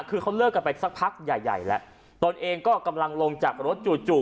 คือเขาเลิกกันไปสักพักใหญ่ใหญ่แล้วตนเองก็กำลังลงจากรถจู่จู่